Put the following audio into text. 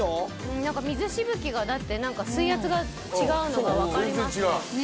何か水しぶきがだって何か水圧が違うのが分かります